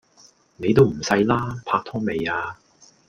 你都唔細啦！拍拖未呀